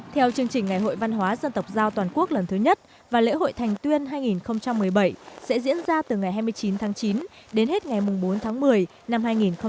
theo chương trình ngày hội văn hóa dân tộc giao toàn quốc lần thứ nhất và lễ hội thành tuyên hai nghìn một mươi bảy sẽ diễn ra từ ngày hai mươi chín tháng chín đến hết ngày bốn tháng một mươi năm hai nghìn một mươi chín